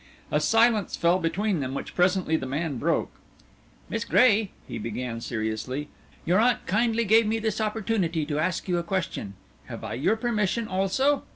A silence fell between them, which presently the man broke. "Miss Gray," he began, seriously, "your aunt kindly gave me this opportunity to ask you a question. Have I your permission also?"